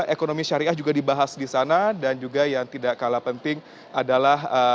ekonomi syariah juga dibahas di sana dan juga yang tidak kalah penting adalah